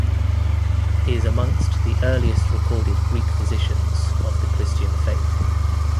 He is amongst the earliest recorded Greek physicians of the Christian faith.